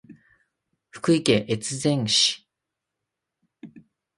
福井県越前市